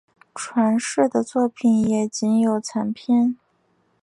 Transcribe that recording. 传世的作品也仅有残篇。